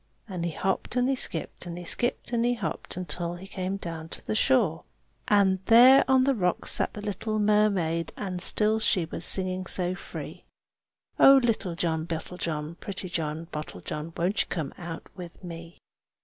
And he hopped and he skipped, and he skipped and he hopped, Until he came down to the shore. And there on the rocks sat the little mermaid, And still she was singing so free, "Oh! little John Bottlejohn, pretty John Bottlejohn, Won't you come out to me?"